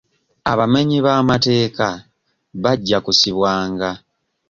Abamenyi b'amateeka bajja kusibwanga.